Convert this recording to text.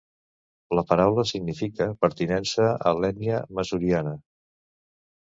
La paraula significa pertinència a l'ètnia masuriana.